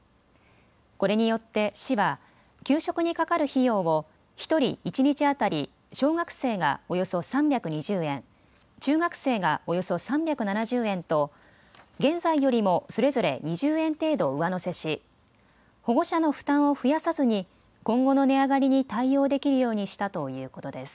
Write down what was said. これによって市は給食にかかる費用を１人一日当たり小学生がおよそ３２０円、中学生がおよそ３７０円と現在よりもそれぞれ２０円程度上乗せし保護者の負担を増やさずに今後の値上がりに対応できるようにしたということです。